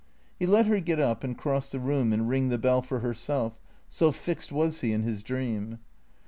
He let her get up and cross the room and ring the bell for herself, so fixed was he in his dream.